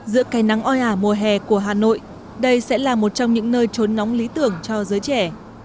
giữa cây nắng oi ả mùa hè của hà nội đây sẽ là một trong những nơi trốn nóng lý tưởng cho giới trẻ